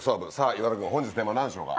岩田君本日テーマは何でしょうか？